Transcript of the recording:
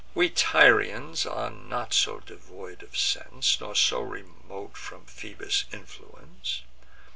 We Tyrians are not so devoid of sense, Nor so remote from Phoebus' influence.